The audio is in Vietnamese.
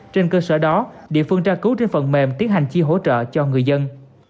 trên cơ sở đó địa phương tra cứu trên phần mềm tiến hành chi hỗ trợ cho người dân